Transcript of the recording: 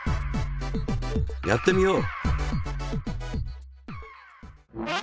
やってみよう！